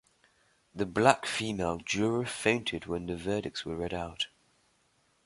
The black female juror fainted when the verdicts were read out.